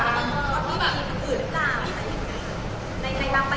หรือคนก็ไปดูมาบางที่อื่นในใดประโยคคนจะเห็นความแบบไหน